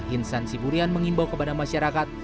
insan siburian mengimbau kepada masyarakat